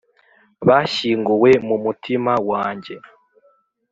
bashyinguwe mu mutima wanjye,